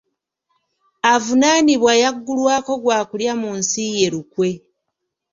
Avunaanibwa yaggulwako gwa kulya mu nsi ye lukwe.